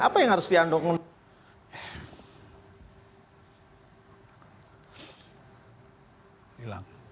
apa yang harus diatur